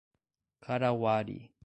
Carauari